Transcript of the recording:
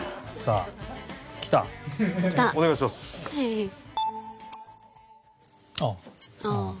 ああ。